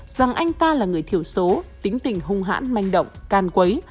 rằng anh ta là người thiểu số tính tình hung hãn manh động can quấy